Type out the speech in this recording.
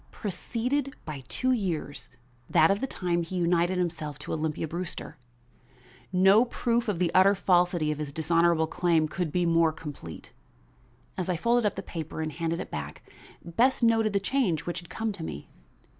preceded by two years that of the time he united himself to Olympia Brewster. No proof of the utter falsity of his dishonorable claim could be more complete. As I folded up the paper and handed it back, Bess noted the change which had come to me.